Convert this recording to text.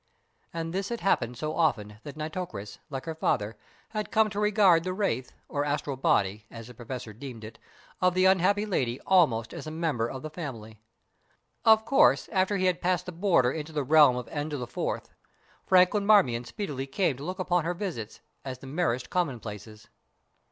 And this had happened so often that Nitocris, like her father, had come to regard the wraith, or astral body, as the Professor deemed it, of the unhappy lady almost as a member of the family. Of course, after he had passed the border into the realm of N4, Franklin Marmion speedily came to look upon her visits as the merest commonplaces.